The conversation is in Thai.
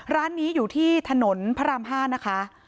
ร้านนี้อยู่ที่ถนนพระราม๕นะคะ